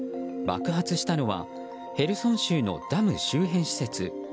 爆発したのはヘルソン州のダム周辺施設。